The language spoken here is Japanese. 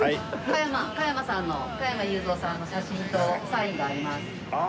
加山さんの加山雄三さんの写真とサインがあります。